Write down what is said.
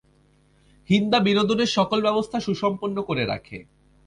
হিন্দা বিনোদনের সকল ব্যবস্থা সুসম্পন্ন করে রাখে।